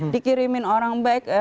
dikirimin orang baik